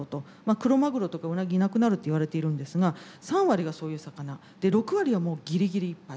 黒マグロとかウナギいなくなるっていわれているんですが３割がそういう魚６割はもうギリギリいっぱい